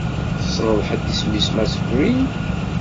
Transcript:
Tessneḍ ḥedd isem-is Mass Green?